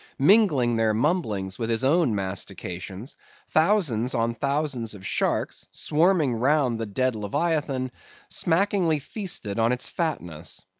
Mingling their mumblings with his own mastications, thousands on thousands of sharks, swarming round the dead leviathan, smackingly feasted on its fatness.